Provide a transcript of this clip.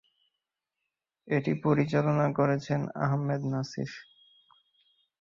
এটি পরিচালনা করেছেন আহমেদ নাসির।